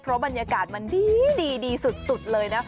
เพราะบรรยากาศมันดีสุดเลยนะ